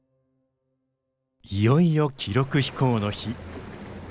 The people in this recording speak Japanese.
いよいよ記録飛行の日。